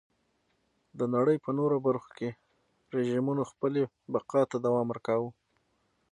د نړۍ په نورو برخو کې رژیمونو خپلې بقا ته دوام ورکاوه.